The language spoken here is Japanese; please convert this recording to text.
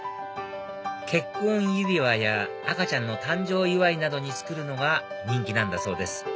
結婚指輪や赤ちゃんの誕生祝いなどに作るのが人気なんだそうです